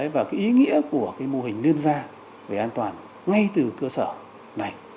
và cái ý nghĩa của cái mô hình liên gia về an toàn ngay từ cơ sở này